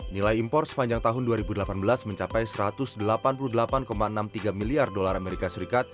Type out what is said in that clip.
nilai impor sepanjang tahun dua ribu delapan belas mencapai satu ratus delapan puluh delapan enam puluh tiga miliar dolar as